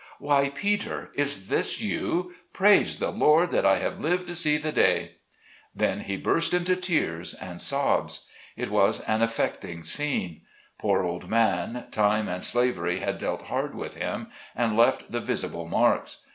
" Why, Peter ! is this you ? Praise the Lord that I have lived to see the day." Then he burst into tears and sobs. It was an effecting scene. Poor old man, time and slavery had dealt hard with him, and left the visible marks.